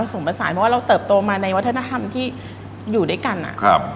สมผสานเพราะว่าเราเติบโตมาในวัฒนธรรมที่อยู่ด้วยกันอ่ะครับ